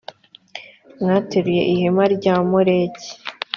mwateruye ihema rya moleki i